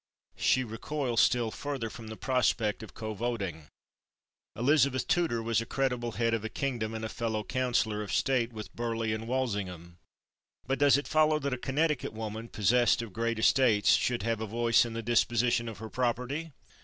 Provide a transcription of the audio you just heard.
She recoils still further from the prospect of covoting. Elizabeth Tudor was a creditable head of a kingdom and a fellow counsellor of state with Burleigh and Walsingham. But does it follow that a Connecticut woman possessed of great estates should have a voice in the disposition of her property?